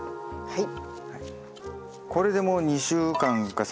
はい。